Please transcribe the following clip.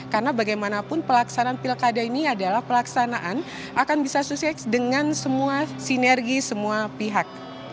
karena bagaimanapun pelaksanaan pilkada ini adalah pelaksanaan akan bisa sesuai dengan semua sinergi semua pihak